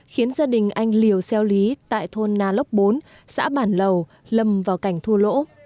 khiến gia đình anh liều xeo lý tại thôn nà lóc bốn xã bản lầu lâm vào cảnh thua lỗ